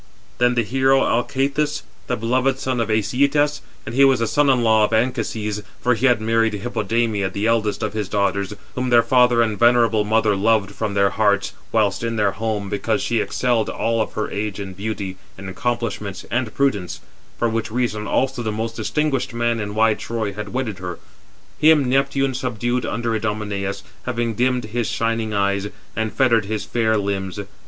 Then the hero Alcathous, the beloved son of Æsyetas (and he was the son in law of Anchises, for he had married Hippodamia, the eldest of his daughters, whom her father and venerable mother loved from their hearts, whilst in their home, because she excelled all of her age in beauty, in accomplishments, and prudence, for which reason also the most distinguished man in wide Troy had wedded her), him Neptune subdued under Idomeneus, having dimmed his shining eyes, and fettered his fair limbs.